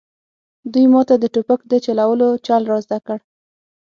دوی ماته د ټوپک د چلولو چل را زده کړ